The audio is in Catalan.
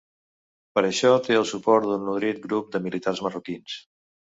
Per a això té el suport d'un nodrit grup de militars marroquins.